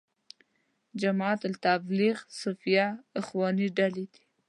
جماعت تبلیغ، صوفیه، اخواني ډلې دي.